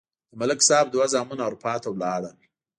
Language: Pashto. د ملک صاحب دوه زامن اروپا ته لاړل.